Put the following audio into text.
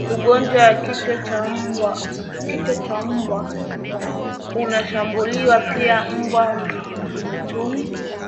Ugonjwa wa kichaa cha mbwa unashambulia pia mbwa mwituni